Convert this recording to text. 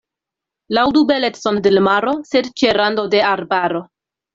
Laŭdu belecon de l' maro, sed ĉe rando de arbaro.